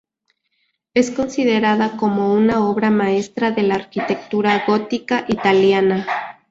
Es considerada como una obra maestra de la arquitectura gótica italiana.